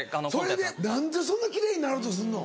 それで何でそんな奇麗になろうとすんの？